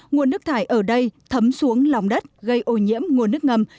nguồn nước thải ở đây thấm xuống lòng đất gây ô nhiễm nguồn nước ngầm